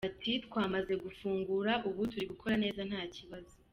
Ati “Twamaze gufungura, ubu turi gukora neza nta kibazo.